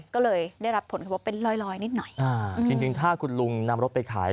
ก็เลยได้รับผลกระทบเป็นลอยลอยนิดหน่อยอ่าจริงจริงถ้าคุณลุงนำรถไปขาย